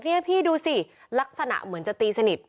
นี่พี่ดูสิลักษณะเหมือนจะตีสนิท